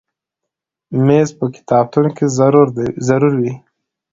مېز په کتابتون کې ضرور وي.